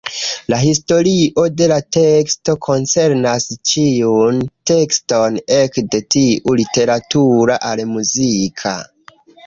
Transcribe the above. La historio de la teksto koncernas ĉiun tekston, ekde tiu literatura al muzika.